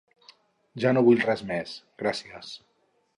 Ja no vull res més, gràcies.